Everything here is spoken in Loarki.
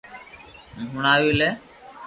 ھون ھڻاوي لي